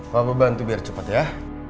papa bantu biar cepet ya